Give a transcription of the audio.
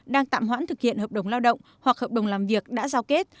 đang tạm hoãn thực hiện hợp đồng lao động hoặc hợp đồng làm việc đã giao kết